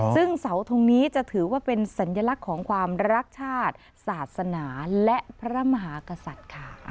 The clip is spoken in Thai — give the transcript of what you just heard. ซึ่งเสาทงนี้จะถือว่าเป็นสัญลักษณ์ของความรักชาติศาสนาและพระมหากษัตริย์ค่ะ